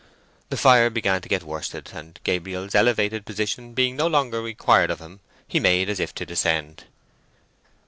The fire began to get worsted, and Gabriel's elevated position being no longer required of him, he made as if to descend.